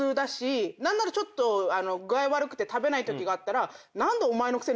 何ならちょっと具合悪くて食べないときがあったら。